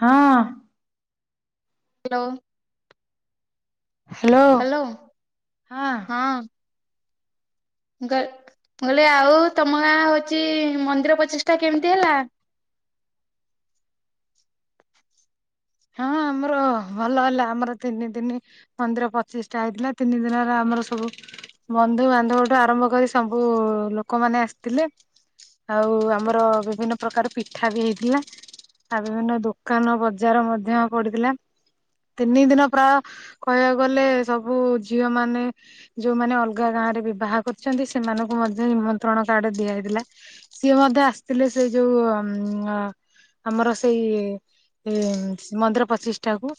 ହଁ। Hello. Hello hello ହଁ। ମୁଁ କ ମୁଁ କହିଲି ଆଉ ତମର ହଉଚି ମନ୍ଦିର ପଚିଷ୍ଟା କେମତି ହେଲା? ହଁ ଆମର ଭଲ ହେଲା ଆମର ତିନି ଦିନି ମନ୍ଦିର ପଚିଷ୍ଟା ହେଇଥିଲା ତିନି ଦିନରେ ଆମର ସବୁ ବନ୍ଧୁବାନ୍ଧବଠୁ ଆରମ୍ଭ କରି ସବୁ ଲୋକମାନେ ଆସିଥିଲେ। ଆଉ ଆମର ବିଭିନ୍ନ ପ୍ରକାର ପିଠା ବି ହେଇଥିଲା। ଆଉ ବିଭିନ୍ନ ଦୋକାନ ବଜାର ମଧ୍ୟ ପଡିଥିଲା ତିନି ଦିନ ପ୍ରାୟ କହିଆକୁ ଗଲେ ସବୁ ଝିଅମାନେ ଯୋଉମାନେ ଅଲଗା ଗାଁରେ ବିବାହ କରିଛନ୍ତି ସେମାନଙ୍କୁ ମଧ୍ୟ ନିମନ୍ତ୍ରଣ କାର୍ଡେ ଦିଆ ହେଇଥିଲା। ସିଏ ମଧ୍ୟ ଆସିତିଲେ ସେଇ ଯୋଉ ଅମ୍ ଅ ଆମର ସେଇ ଇଁ ଉଁ ମନ୍ଦିର ପ୍ରଚିଷ୍ଠାକୁ।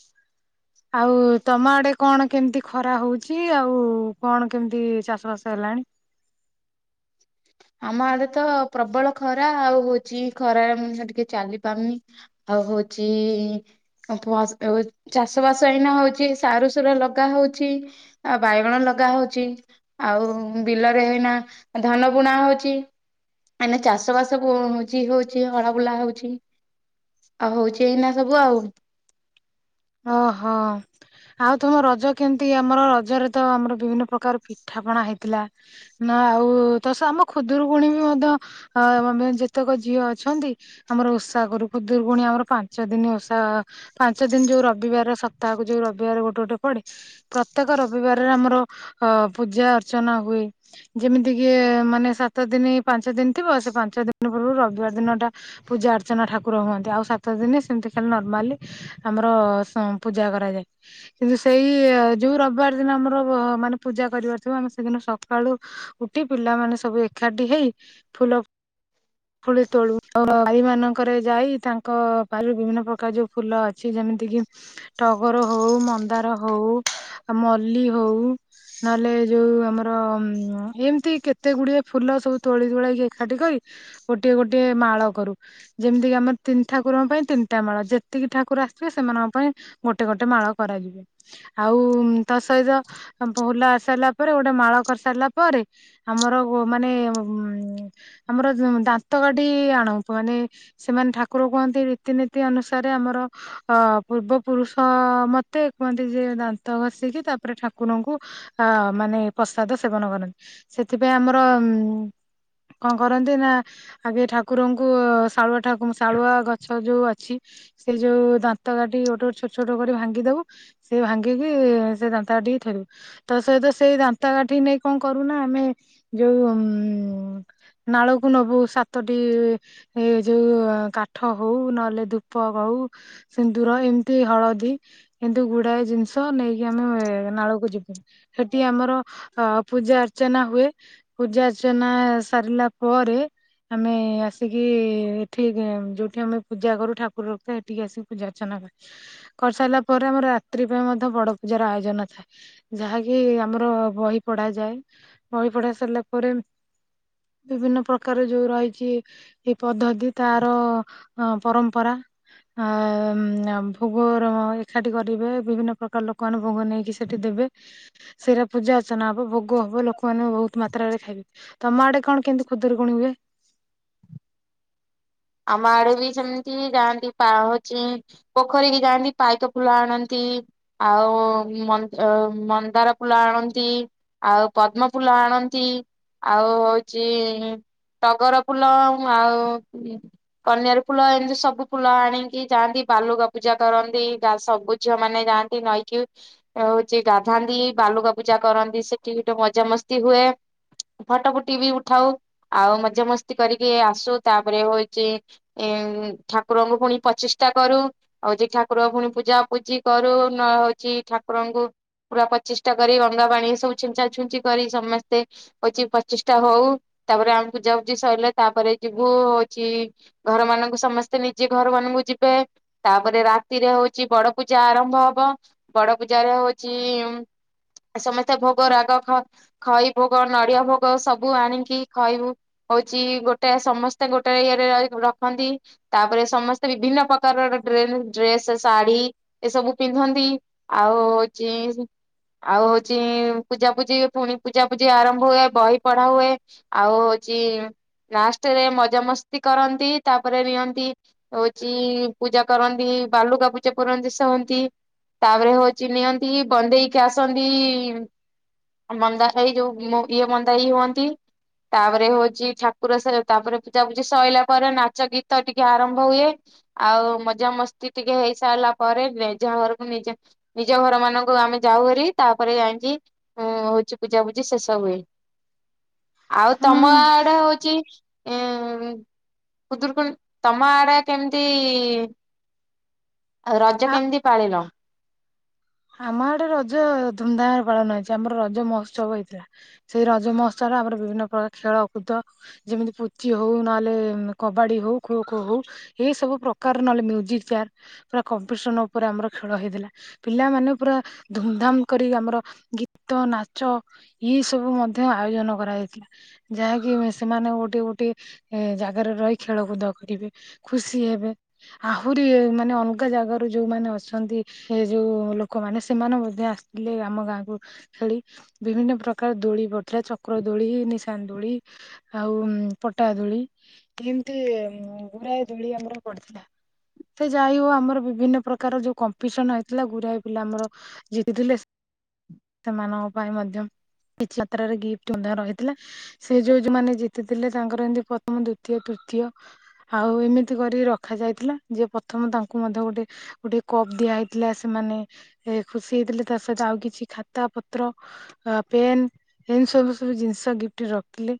ଆଉ ତମ ଆଡେ କଣ କେମତି ଖରା ହଉଛି ଆଉ କଣ କେମତି ଚାଷ ବାସ ହେଲାଣି। ଆମ ଆଡେ ତ ପ୍ରବଳ ଖରା ଆଉ ହଉଚି ଖରାରେ ମଣିଷ ଟିକେ ଚାଲି ପାରୁନି। ଆଉ ହଉଚି ଇଁ [unintelligible] ଚାଷ ବାସ ଏଇନା ହଉଚି ସାରୁ ସୁର ଲଗା ହଉଛି। ଆଉ ବାଇଗଣ ଲଗା ହଉଚି ଆଉ ଉଁ ବିଲରେ ଏଇନା ଉଁ ଧାନ ବୁଣା ହଉଚି ମାନେ ଚାଷ ବାସ ହଉଁଚି ହଉଚି ହଳ ବୁଲା ହଉଛି। ଆଉ ହଉଚି ଏଇନା ସବୁ ଆଉ। ଓ ହଁ। ଆଉ ତମ ରଜ କେମତି ଆମର ରଜେରେ ତ ଆମର ବିଭିନ୍ନ ପ୍ରକାର ପିଠାପଣା ହେଇଥିଲା। ନା ଆଉ ତ ସେ ଆମ ଖୁଦରୁକୁଣୀ ବି ମଧ୍ୟ ଅ ମାନେ ଯେତକ ଝିଅ ଅଛନ୍ତି ଆମର ଓଷା କରୁ ଖୁଦରୁକୁଣୀ ଆମର ପାଞ୍ଚ ଦିନି ଓଷା ପାଞ୍ଚ ଦିନି ଯୋଉ ର ବିବାରେ ସପ୍ତାହକୁ ଯୋଉ ରବିବାରେ ଗୋଟେ ଗୋଟେ ପଡେ ପ୍ରତ୍ୟେକ ରବିବାରରେ ଆମର ଅ ପୂଜା ଅର୍ଚ୍ଚନା ହୁଏ। ଯେମିତିକି ଏ ମାନେ ସାତ ଦିନି ପାଞ୍ଚ ଦିନ ଥିବ ସେ ପାଞ୍ଚ ଦିନି ପୂର୍ବୁରୁ ରବିବାର ଦିନିଟା ପୂଜା ଅର୍ଚ୍ଚନା ଠାକୁର ହୁଅନ୍ତି ଆଉ ସାତ ଦିନି ସେମତି ଖାଲି ନର୍ମାଲି ଆମର ସମ୍ ପୂଜା କରାଯାଏ। କିନ୍ତୁ ସେଇ ଅ ଯୋଉ ରବିବାର ଦିନ ଆମର ବ ମାନେ ପୂଜା କରିବାର ଥିବ ଆମେ ସେଦିନ ସକାଳୁ ଉଠି ପିଲାମାନେ ସବୁ ଏଖାଟି ହେଇ ଫୁଲ ଫୁଲି ତୋଳୁ [unintelligible] ମାନଙ୍କରେ ଯାଇ ତାଙ୍କ ବାରିରୁ ବିଭିନ୍ନ ପ୍ରକାର ଯୋଉ ଫୁଲ ଅଛି ଯେମିତିକିି ଟଗର ହଉ ମନ୍ଦାର ହଉ ଆଉ ମଲ୍ଲି ହଉ ନହେଲେ ଯୋଉ ଆମର ଉଁ ଅ ଏମତି କେତେଗୁଡିଏ ଫୁଲ ସବୁ ତୋଳି ତୁଳାକି ଏଖାଟି କରି ଗୋଟିଏ ଗୋଟିଏ ମାଳ କରୁ। ଯେମତିକି ଆମ ତିନ ଠାକୁରଙ୍କ ପାଇଁ ତିନିଟା ମାଳ ଯେତିକି ଠାକୁର ଆସିଥିବେ ସେମାନଙ୍କ ପାଇଁ ଗୋଟେ ଗୋଟେ ମାଳ କରାଯିବ। ଆଉ ଉଁ ତା ସହିତ ଆଁ ଫୁଲ ଆସି ସାରିଲା ପରେ ଗୋଟେ ମାଳ କରି ସାରିଲା ପରେ ଆମର ଗୋ ମାନେ ଉଁ ଆମର ଯୋଉଁ ଦାନ୍ତକାଠି ଆଣୁ ଫୁଣି ସେମାନେ ଠାକୁର କୁହନ୍ତି ରୀତିନୀତି ଅନୁସାରେ ଆମର ଅ ପୂର୍ବପୁରୁଷ ମତେ କୁହନ୍ତି ଯେ ଦାନ୍ତ ଘଷିକି ତାପରେ ଠାକୁରଙ୍କୁ ଅ ମାନେ ପ୍ରସାଦ ସେବନ କରନ୍ତି ସେଥିପାଇଁ ଆମର ଉଁ କଁ କରନ୍ତି ନା ଆଗେ ଠାକୁରଙ୍କୁ ଶାଳୁଆ ଠାକୁ ଶାଳୁଆ ଗଛ ଯୋଉ ଅଛି ସେଇ ଯୋଉ ଦା ତ କାଠି ଗୋଟେ ଗୋଟେ ଛୋଟ ଛୋଟ କରି ଭାଙ୍ଗି ଦବୁ ସେଇ ଭାଙ୍ଗିକି ସେ ଦାନ୍ତ କାଠିକି ଥୋଇଦବୁ। ତା ସହିତ ସେଇ ଦାନ୍ତ କାଠିକି ନେଇ କଁ କରୁନା ଆମେ ଯୋଉ ଉଁ ନାଳକୁ ନବୁ ସାତଟି ଏ ଯୋଉ କାଠ ହୋଉ ନହେଲେ ଧୂପ ହୋଉ। ସିନ୍ଦୁର ଏମିତି ହଳଦୀ କିନ୍ତୁ ଗୁଡାଏ ଜିନିଷ ନେଇକି ଆମେ ନାଳକୁ ଯିବୁ। ସେଠି ଆମର ଅ ପୂଜା ଅର୍ଚ୍ଚନା ହୁଏ। ପୂଜା ଅର୍ଚ୍ଚନା ସାରିଲା ପରେ ଆମେ ଆସିକି ଏଠି ଯୋଉଠି ଆମେ ପୂଜା କରୁ ଠାକୁର ପୂଜା ଆର୍ଚନା କରି କରିସାରିଲା ପରେ ଆମର ରାତ୍ରି ପାଇଁ ମଧ୍ୟ ବଡ ପୂଜାର ଆୟୋଜନ ଥାଏ। ଯାହାକି ଆମର ବହି ପଢାାଯାଏ ବହି ପଢା ସରିଲା ପରେ ବିଭିନ୍ନ ପ୍ରକାର ଯୋଉ ରହିଚି ଏ ପଦ୍ଧତି ତାର ପରମ୍ପରା ଏ ଭୋଗର ଏକାଠି କରିବେ ବିଭିନ୍ନ ପ୍ରକାର ଲୋକମାନେ ଭୋଗ ନେଇକି ସେଇଠି ଦେବେ। ସେରା ପୂଜା ଅର୍ଚ୍ଚନା ହବ ଭୋଗ ହବ ଲୋକମାନେ ବୋହୁତ ମାତ୍ରାରେ ଖାଇବେ। ତମ ଆଡେ କଣ କେମିତି ଖୁଦୁରୁକୁଣି ହୁଏ? ଆମ ଆଡେ ବି ସେମିତି ଯାଆନ୍ତି ପାହୁଁଚି ପୋଖରୀ କି ଯାଆନ୍ତି ପାଇକ ଫୁଲ ଆଣନ୍ତି। ଆଉନ୍ଦ ମନ୍ଦ ମନ୍ଦାର ଫୁଲ ଆଣନ୍ତି। ଆଉ ପଦ୍ମ ଫୁଲ ଆଣନ୍ତି ଆଉ ହୋଉଚି ଟଗର ଫୁଲ ଆ ଆଉ କନିାର ଫୁଲ ଏମିତି ସବୁ ଫୁଲ ଆଣିକି ଯାଆନ୍ତି ବାଲୁକା ପୂଜା କରନ୍ତି ସବୁ ଝିଅ ମାନେ ନଇକି ବି ହୋଉଚି ଗାଧାନ୍ତି ବାଲୁକା ପୂଜା କରନ୍ତି ସେଠିଗୋଟେ ମଜାାମସ୍ତି ହୁଏ। ଫଟୋ ଫୁଟି ବି ଉଠାଉ ଆଉ ମଜା ମସ୍ତି କରିକି ଆସୁ ତାପରେ କିଏ ଏ ଠାକୁରଙ୍କୁ ପୁଣି ପ୍ରଚିଷ୍ଟା କରୁ। ହୋଭଚି ଠାକୁର ପୁଣି ପୂଜା ପୂଜି କରୁ ନ ହୋଉଚି ଠାକୁରଙ୍କୁ ପୁରା ପ୍ରଚିଷ୍ଟା କରି ଗଙ୍ଗା ପାଣୀ ଏ ସବୁ ଛିଞ୍ଚା ଛୁଞ୍ଚି କରି ସମସ୍ତେ ହୋଉଚି ପଚିଷ୍ଟା ହୋଉ ତାପରେ ଆମକୁ ପୂଜା ପୂଜି ସାଇଲେ ତାପରେ ଯିବୁ କି ଘର ମାନଙ୍କୁ ସମସ୍ତେ ନିଜେ ଘର ମାନଙ୍କୁ ଯିବେ। ତାପରେ ରାତିରେ ହୋଉଚି ବଡ ପୂଜା ଆରମ୍ଭ ହବ ବଡ ପୂଜାରେ ହୋଉଚି ସମସ୍ତେ ଭୋଗ ରାଗ ଖ ଖଇ ଭୋଗ ନଡିଆ ଭୋଗ ସବୁ ଆଣିକି ଖଇଭୋଗ ହୋଉଚି ଗୋଟେ ସମସ୍ତେ ଗୋଟେ ନିଜ ଇଏରେ ର ରଖନ୍ତି। ତାପରେ ସମସ୍ତେ ବିଭିନ୍ନ ପ୍ରକାରର ଡ୍ରେସ ଶାଢୀ ଏସବୁ ପିନ୍ଧନ୍ତି। ଆଉ ହୋଉଚି ଆଉ ହୋଉଚି ପୂଜା ପୂଜି ପୁଣି ପୂଜାପୂଜି ଆରମ୍ଭ ହୁଏ ବହି ପଢା ହୁଏ। ଆଉ ହୋଉଚି ଲାଷ୍ଟରେ ମଜା ମସ୍ତି କରନ୍ତି ତାପରେ ନିଅନ୍ତି। ହୋଉଚି ପୂଜା କରନ୍ତି ବାଲୁକା ପୂଜା କରନ୍ତି ସହନ୍ତି। ତାପରେ ହୋଉଚି ନିଅନ୍ତି ବନ୍ଦେଇକି ଆସନ୍ତି ମନ୍ଦା ଏଇ ଯୋଉ ଦିଅଁ ମନ୍ଦାଇ ହୁଅନ୍ତି। ତାପରେ ହୋଉଚି ଠାକୁର ସେ ତାପରେ ପୂଜା ଏସଇଲା ପରେ ନାଚ ଗୀତ ଟିକେ ଆରମ୍ଭ ହୁଏ। ଆଉ ମଜାମସ୍ତି ଟିକେ ହେଇ ସାରିଲା ପରେ ଜେଯାହା ଘରକୁ ନିଜେ ନିଜ ଘର ମାନଙ୍କୁ ଆମେ ଯାଉହାରି ତାପରେ ଯାଇକି ଉ ହୋଉଚି ପୂଜା ପୂଜି ଶେଷ ହୁଏ। ଆଉ ହଁ ତମ ଆଡେ ହୋଉଚି ହଁ ଖୁଦୁରୁକୁଣୀ ତମ ଆଡେ କେମତି ଆଉ ରଜ ଆ କେମିତି ପାଳିଲ? ଆମ ଆଡେ ରଜ ଧୁମଧାମରେ ପାଳନ ହେଇଛି, ଆମର ରଜ ମହୋତ୍ସବ ହେଇଥିଲା। ସେଇ ରଜ ମହୋତ୍ସବରେ ଆମର ବିଭିନ୍ନ ପ୍ରକାର ଖେଳ କୁଦ ଯେମିତି ପୁଚି ହଉ ନହେଲେ କବାଡି ହଉ ଖୋ ଖୋ ହଉ ଏଇ ସବୁ ପ୍ରକାର ନହେଲେ ମ୍ୟୁଜିକ ଚେୟାର, ପୁରା କମ୍ପିଟିସନ୍ ଉପରେ ଆମର ଖେଳ ହେଇଥିଲା। ପିଲାମାନେ ପୁରା ଧୁମଧାମ୍ କରି ଆମର ଗୀତ ନାଚ ଇଏ ସବୁ ମଧ୍ୟ ଆୟୋଜନ କରାଯାଇଥିଲା। ଯାହାକି ସେମାନେ ଗୋଟିଏ ଗୋଟିଏ ଜାଗାରେ ରହି ଖେଳକୁଦ କରିବେ। ଖୁସି ହେବେ, ଆହୁରି ମାନେ ଅଲଗା ଜାଗାରୁ ଯୋଉମାନେ ଅଛନ୍ତି ସେ ଯୋଉ-ଉ ଲୋକମାନେ ସେମାନେ ମଧ୍ୟ ଆସିଥିଲେ ଆମ ଗାଆଁକୁ। ଖେଳି, ବିଭିନ୍ନ ପ୍ରକାର ଦୋଳି ପଡିଥିଲା ଚକ୍ର ଦୋଳି ନିଶାନ୍ ଦୋଳି ଆଉ ପଟା ଦୋଳି, ଏମିତି ଗୁରାଏ ଦୋଳି ଆମର ପଡିଥିଲା। ସେ ଯାଇ ହଉ ଆମର ବିଭିନ୍ନ ପ୍ରକାର ଯୋଉ କମ୍ପିଟିସନ ହେଇ ଥିଲା ଗୁରାଏ ପିଲା ଆମର ଜିତିଥିଲେ। ସେମାନଙ୍କ ପାଇଁ ମଧ୍ୟ କିଛି ଯାତ୍ରାରେ ଗିଫ୍ଟ ମଧ୍ୟ ରହିଥିଲା। ‌ ସେ ଯୋଉ ଯୋଉମାନେ ଜିତିଥିଲେ ତାଙ୍କର ଏମତି ପ୍ରଥମ ଦୁତୀୟ ତୃତୀୟ ଆଉ ଏମିତି କରି ରଖାଯାଇଥିଲା, ଯେ ପ୍ରଥମ ତାଙ୍କୁ ମଧ୍ୟ ଗୋଟେ ଗୋଟେ କପ୍ ଦିଆହେଇ ଥିଲା, ସେମାନେ ଏ ଖୁସି ହେଇଥିଲେ ତା ସହିତ ଆଉ କିଛି ଖାତାପତ୍ର ଅ ପେନ୍ ଏମିତି ସବୁ ସବୁ ଜିନିଷ ଗିଫ୍ଟ ରଖିଲେ।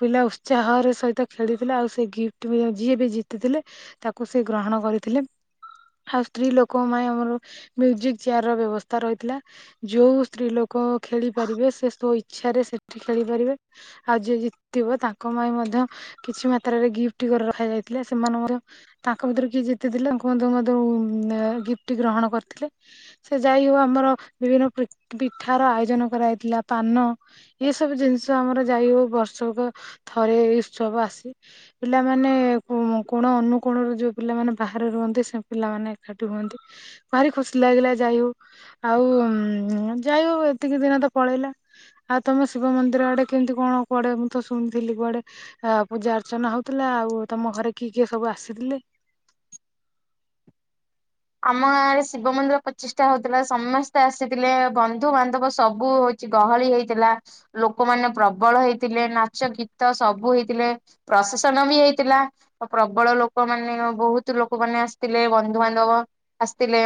ପିଲା ଉତ୍ସାହର ସହିତ ଖେଳିଥିଲେ ଆଉ ସେ ଗିଫ୍ଟ ବି ଯିଏ ବି ଜିତିଥିଲେ ତାକୁ ସେ ଗ୍ରହଣ କରିଥିଲେ, ଆଉ ସ୍ତ୍ରୀଲୋକଙ୍କ ପାଇଁ ଆମର ମ୍ୟୁଜିକ୍ ଚେୟାରର ବ୍ୟବସ୍ଥା ରହିଥିଲା। ଯୋଉ ସ୍ତ୍ରୀଲୋକ ଖେଳି ପାରିବେ ସେ ସ୍ୱଇଚ୍ଛାରେ ସେଠି ଖେଳିପାରିବେ। ଆଉ ଯିଏ ଜିତିବ ତାଙ୍କ ପାଇଁ ମଧ୍ୟ କିଛି ମାତ୍ରାରେ ଗିଫ୍ଟକରି ରଖାଯାଇଥିଲା ସେମାନେ ମଧ୍ୟ ତାଙ୍କ ଭିତରୁ କିଏ ଜିତି ଥିଲେ ତାଙ୍କୁ ମଧ୍ୟ ମଧ୍ୟ ଗିଫ୍ଟ ଗ୍ରହଣ କରିଥିଲେ। ସେ ଯାଇ ହଉ ଆମର ବିଭିନ୍ନ ପି ପିଠାର ଆୟୋଜନ କରାଯାଇଥିଲା ପାନ ଏସବୁ ଜିନିଷ ଆମର ଯାଇ ହଉ ବର୍ଷକୁ ଥରେ ଏଇ ଉତ୍ସବ ଆସେ। ପିଲାମାନେ କୋ କୋଣ ଅନୁକୋଣରୁ ଯୋଉ ପିଲାମାନେ ବାହାରେ ରୁହନ୍ତି ସେ ପିଲାମାନେ ଏକାଠି ହୁଅନ୍ତି। ଭାରି ଖୁସି ଲାଗିଲା ଯାଇ ହଉ ଆଉ ଯାଇ ହଉ ଏତିକି ଦିନ ତ ପଳେଇଲା। ଆଉ ତମେ ଶିବ ମନ୍ଦିର ଆଡେ କେମିତି କଣ କୁଆଡେ ମୁଁ ତ ଶୁଣିଥିଲି କୁଆଡେ ଆ ପୂଜା ଅର୍ଚ୍ଚନା ହଉଥିଲା, ଆଉ ତମ ଘରେ କିଏ କିଏ ସବୁ ଆସିଥିଲେ? ଆମ ଗାଆଁରେ ଶିବ ମନ୍ଦିର ପଚିଷ୍ଟା ହଉଥିଲା, ସମସ୍ତେ ଆସିଥିଲେ ବନ୍ଧୁବାନ୍ଧବ ସବୁ କିଛି ଗହଳି ହେଇଥିଲା, ଲୋକମାନେ ପ୍ରବଳ ହେଇଥିଲେ, ନାଚ ଗୀତ ସବୁ ହେଇଥିଲେ। ପ୍ରସେସନ୍ ବି ହେଇଥିଲା। ଓ ପ୍ରବଳ ଲୋକମାନେ ବହୁତ ଲୋକମାନେ ଆସିଥିଲେ, ବନ୍ଧୁବାନ୍ଧବ ଆସିଥିଲେ।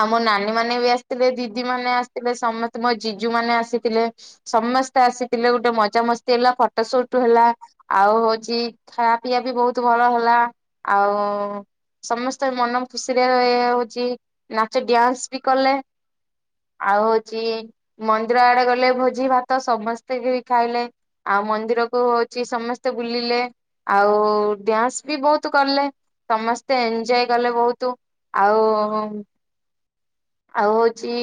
ଆଉ ମୋ ନାନୀମାନେ ବି ଆସିଥିଲେ, ଦିଦିମାନେ ଆସିଥିଲେ, ସମସ୍ତେ ମୋ ଜିଜୁମାନେ ଆସିଥିଲେ। ସମସ୍ତେ ଆସିଥିଲେ ଗୋଟେ ମଜା ମସ୍ତି ହେଲା ଫଟୋ ସୁଟ୍ ହେଲା। ଆଉ ହଉଛି ଖା ପିଇବା ବି ବହୁତ ଭଲ ହେଲା, ଆଉ ସମସ୍ତେ ମନ ଖୁସିରେ ହଉଛି ନାଚ ଡ୍ୟାନ୍ସ ବି କଲେ। ଆଉ ହଉଛି ମନ୍ଦିର ଆଡେ ଗଲେ ଭୋଜିଭାତ ସମସ୍ତେ ବି ଖାଇଲେ। ଆଉ ମନ୍ଦିରକୁ ହଉଛି ସମସ୍ତେ ବୁଲିଲେ। ଆଉ-ଉ-ଉ ଡ୍ୟାନ୍ସ ବି ବହୁତ କଲେ, ସମସ୍ତେ ଏଞୟ କଲେ ବହୁତ୍। ଆଉ-ଉ-ଉ ଆଉ ହଉଛି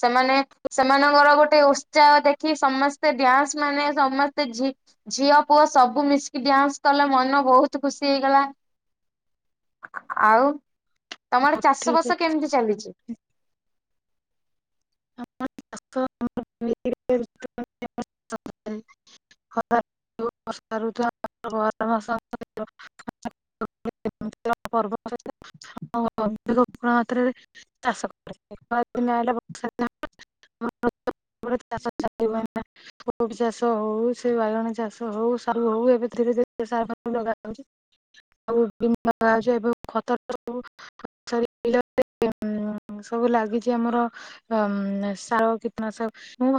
ସେମାନେ ସେମାନଙ୍କର ଗୋଟେ ଉତ୍ସାହ ଦେଖି ସମସ୍ତେ ଡ୍ୟାନ୍ସ ମାନେ ସମସ୍ତେ ଝି ଝିଅ ପୁଅ ସବୁ ମିଶିକି ଡ୍ୟାନ୍ସ କଲେ ମନ ବହୁତ ଖୁସି ହେଇଗଲା। ଆଉ ତମର ଚାଷ ଠିକ ବାସ କେମିତି ଚାଲିଛି? [inaudible] [unintelligible] [inaudible] [unintelligible] [inaudible] ଚାଷ ଚାଲିିବ ଏଇନା। କୋବି ଚାଷ ହଉ ସେ ବାଇଗଣ ଚାଷ ହଉ ସାରୁ ହଉ ଏବେ ଧୀରେ ଧୀରେ ସାର ପା ଲଗାଯାଉଛି। ବିଭିନ୍ନ [inaudible] ଖତ ହଉ [unintelligible] ଉଁ ସବୁ ଲାଗିଛି ଆମର ସାର କୀଟନାଶକ।